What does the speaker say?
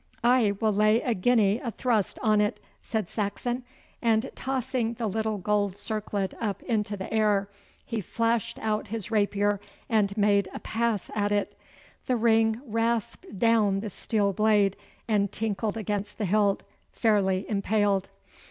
'I will lay a guinea a thrust on it,' said Saxon; and tossing the little gold circlet up into the air, he flashed out his rapier and made a pass at it. The ring rasped down the steel blade and tinkled against the hilt, fairly impaled.